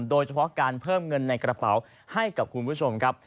โดยเฉพาะการเพิ่มเงินในกระเป๋าให้กับคุณผู้ชมครับ